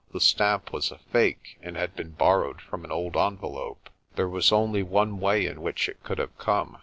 The stamp was a fake, and had been borrowed from an old envelope. There was only one way in which it could have come.